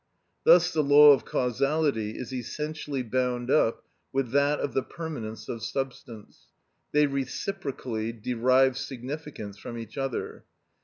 Thus the law of causality is essentially bound up with that of the permanence of substance; they reciprocally derive significance from each other.